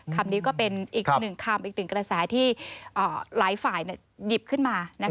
คำนี้ก็เป็นอีกหนึ่งคำอีกหนึ่งกระแสที่หลายฝ่ายหยิบขึ้นมา